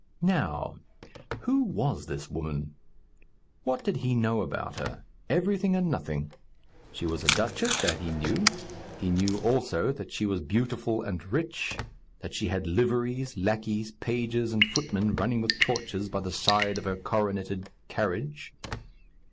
Now, who was this woman? What did he know about her? Everything and nothing. She was a duchess, that he knew; he knew, also, that she was beautiful and rich; that she had liveries, lackeys, pages, and footmen running with torches by the side of her coroneted carriage.